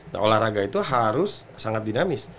nah olahraga itu harus sangat dinamis